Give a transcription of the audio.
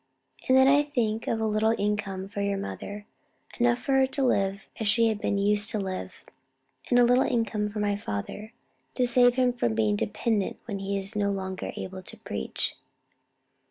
And then I think of a little income for your mother, enough for her to live as she has been used to live; and a little income for my father, to save him from being dependent when he is no longer able to preach."